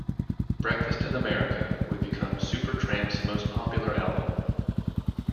"Breakfast in America" would become Supertramp's most popular album.